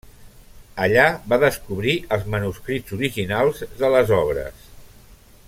Allà va descobrir els manuscrits originals de les obres.